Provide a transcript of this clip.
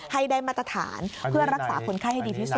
ให้ได้มาตรฐานเพื่อรักษาคนไข้ให้ดีที่สุด